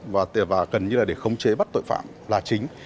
và gần như là để khống chế bắt tội phạm là chính